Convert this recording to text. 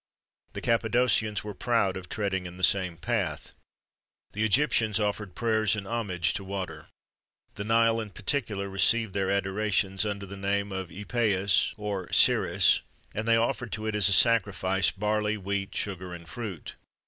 [XXV 2] The Cappadocians were proud of treading in the same path.[XXV 3] The Egyptians offered prayers and homage to water.[XXV 4] The Nile, in particular, received their adorations under the name of Ypeus, or Siris, and they offered to it as a sacrifice barley, wheat, sugar, and fruit.